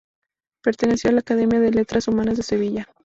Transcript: Perteneció a la Academia de Letras Humanas de Sevilla.